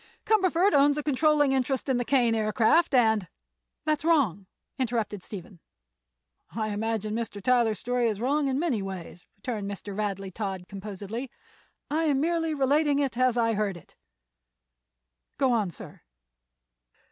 Cumberford owns a controlling interest in the Kane Aircraft, and—" "That's wrong," interrupted Stephen. "I imagine Mr. Tyler's story is wrong in many ways," returned Mr. Radley Todd, composedly. "I am merely relating it as I heard it." "Go on, sir."